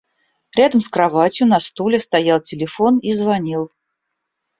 Рядом с кроватью, на стуле стоял телефон и звонил.